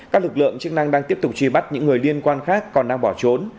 các lực lượng chức năng đang tiếp tục truy bắt những người liên quan khác còn đang bỏ trốn